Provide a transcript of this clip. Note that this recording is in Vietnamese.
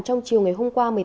trong chiều ngày hôm qua